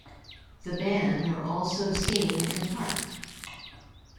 The band are also seen in a park.